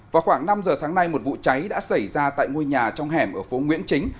vào khoảng năm giờ sáng nay một vụ cháy đã xảy ra tại ngôi nhà trong hẻm ở phố nguyễn chính